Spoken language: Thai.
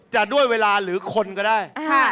จะด้วยเวลาหรือคนก็ได้